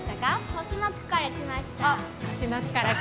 豊島区から来ました。